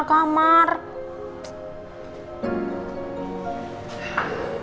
kamu juga gak mau makan